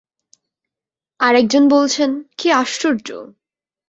আর একজন বলছেন, কী আশ্চর্য!